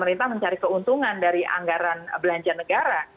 pemerintah mencari keuntungan dari anggaran belanja negara